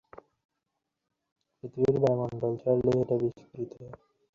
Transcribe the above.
পৃথিবীর বায়ুমণ্ডল ছাড়ালেই এটা বিস্ফোরিত হবে।